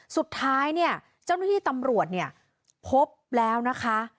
สุดท้ายเจ้าหน้าที่ตำรวจพบแล้วนะคะ